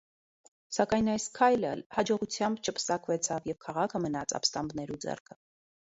Սակայն այս քայլը յաջողութեամբ չպսակուեցաւ եւ քաղաքը մնաց ապստամբներու ձեռքը։